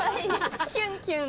キュンキュン。